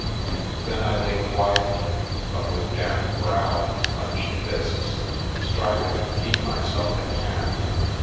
Then I lay quietly, but with damp brow and clenched fists, striving to keep myself in hand.